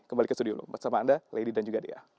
kembali ke studio bersama anda lady dan juga dea